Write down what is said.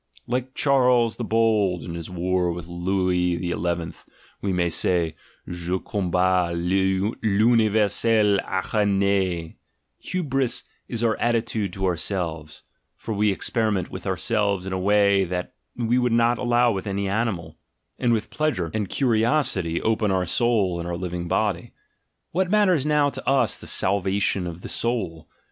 Like * Mistress Sly. — Tr. n6 THE GENEALOGY OF MORALS Charles the Bold in his war with Louis the Eleventh, we may say, "je combats Vunivcrsclle araignce ,\ "Hybris" is our attitude to ourselves — for we experiment with our selves in a way that we would not allow with any animal, and with pleasure and curiosity open our soul in our living body: what matters now to us the "salvation" of the soul?